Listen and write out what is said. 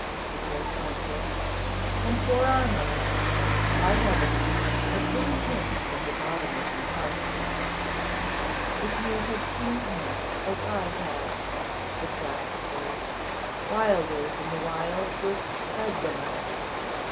said Lord Montfort, 'and poor Armine! By heavens, I pity him from the bottom of my heart.' 'If you had seen him as I have,' said Glastonbury, 'wilder than the wildest Bedlamite!